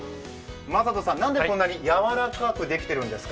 将人さん、なんでこんなに柔らかくできているんですか？